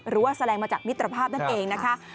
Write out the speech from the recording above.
หรือว่าแสดงมาจากมิตรภาพนั่นเองนะคะ